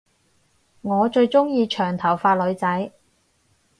我最鐘意長頭髮女仔